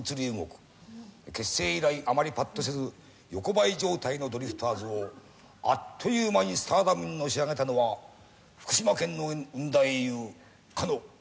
結成以来あまりパッとせず横ばい状態のドリフターズをあっという間にスターダムにのし上げたのは福島県の生んだ英雄かの加藤茶でありました。